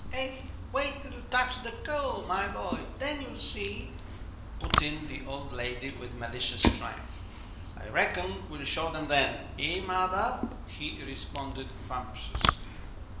"Ah, wait till you touch the coal, my boy, then you'll see," put in the old lady, with malicious triumph. "I reckon we'll show them then, eh, mother?" he responded bumptiously.